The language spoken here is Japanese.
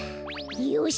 よし！